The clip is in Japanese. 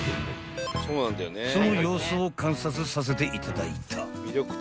［その様子を監察させていただいた］